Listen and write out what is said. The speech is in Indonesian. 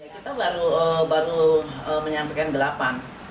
kita baru menyampaikan delapan